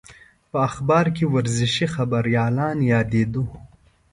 په اخبار کې ورزشي خبریالان یادېدو.